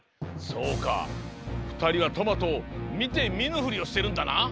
そうかふたりはトマトをみてみぬふりをしてるんだな？